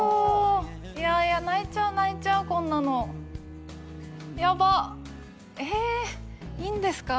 いやいや泣いちゃう泣いちゃうこんなのやばえいいんですか？